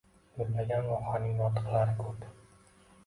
Gullagan vohaning notiqlari ko’p